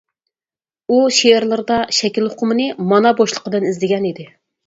ئۇ شېئىرلىرىدا، شەكىل ئۇقۇمىنى مانا بوشلۇقىدىن ئىزدىگەن ئىدى.